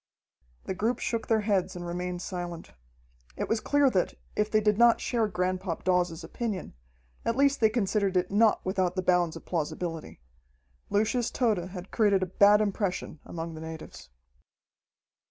The group shook their heads and remained silent. It was clear that, if they did not share Granpop Dawes's opinion, at least they considered it not without the bounds of plausibility. Lucius Tode had created a bad impression among the natives.